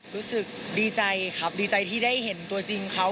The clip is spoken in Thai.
รู้สึกดีใจครับดีใจที่ได้เห็นตัวจริงเขา